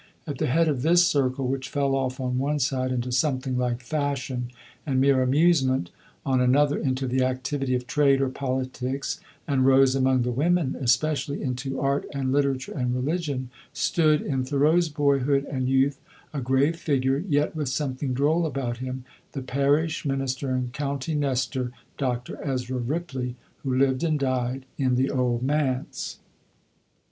At the head of this circle which fell off on one side into something like fashion and mere amusement, on another into the activity of trade or politics, and rose, among the women especially, into art and literature and religion stood, in Thoreau's boyhood and youth, a grave figure, yet with something droll about him, the parish minister and county Nestor, Dr. Ezra Ripley, who lived and died in the "Old Manse."